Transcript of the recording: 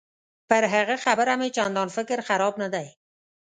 پر هغه خبره مې چندان فکر خراب نه دی.